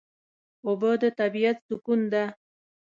اوبه د طبیعت سکون ده.